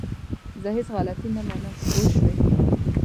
زه هيڅ غلطي نه منم! پوه شوئ!